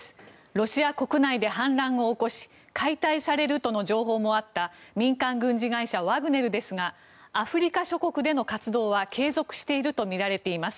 ロシア国内で反乱を起こし解体されるとの情報もあった民間軍事会社ワグネルですがアフリカ諸国での活動は継続しているとみられています。